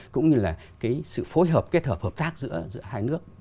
cũng như là cái sự phối hợp kết hợp hợp tác giữa hai nước